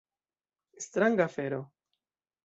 Stranga afero.